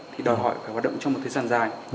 thì đòi hỏi phải hoạt động trong một thời gian dài